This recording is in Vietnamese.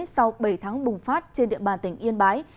sau bảy tháng bùng phát trên địa bàn tỉnh yên bái